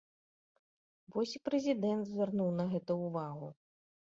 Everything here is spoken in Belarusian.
Вось і прэзідэнт звярнуў на гэта ўвагу.